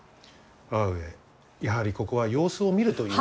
母上、やはりここは様子を見るという。